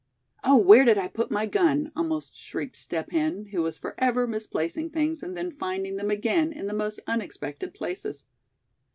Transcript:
"Oh! where did I put my gun?" almost shrieked Step Hen, who was forever misplacing things, and then finding them again in the most unexpected places.